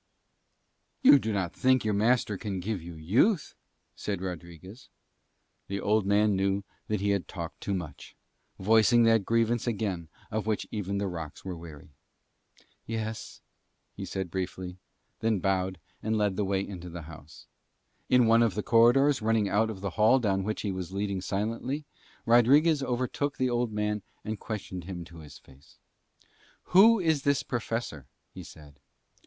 "You do not think your master can give you youth!" said Rodriguez. The old man knew that he had talked too much, voicing that grievance again of which even the rocks were weary. "Yes," he said briefly, and bowed and led the way into the house. In one of the corridors running out of the hall down which he was leading silently, Rodriguez overtook that old man and questioned him to his face. "Who is this professor?" he said.